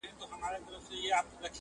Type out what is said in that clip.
څوک چي په تېغ لوبي کوي زخمي به سینه٫